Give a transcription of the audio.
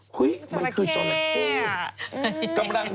หุ้ยมันคือจอลาเก้